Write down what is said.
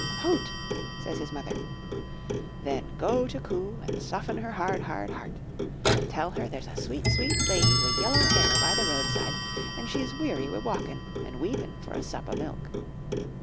''Hout!" says his mother. 'Then go to COO and soften her hard, hard heart. Tell her there's a sweet, sweet lady wi' yellow hair by the roadside, and she's weary wi' walkin', and weepin' for a sup o* milk.''